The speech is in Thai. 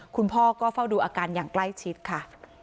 คุณพ่อก็เฝ้าดูอาการอย่างใกล้ชิดค่ะ